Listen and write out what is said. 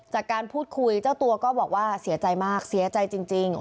จากการพูดคุยเจ้าตัวก็บอกว่าเสียใจมากเสียใจจริง